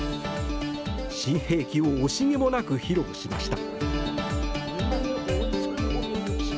新兵器を惜しげもなく披露しました。